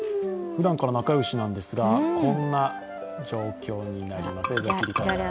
ふだんから仲良しなんてすが、こんな状況になります。